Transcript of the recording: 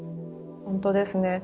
本当ですね。